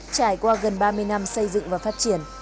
trải qua gần ba mươi năm xây dựng và phát triển